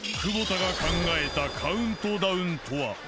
久保田が考えたカウントダウンとは？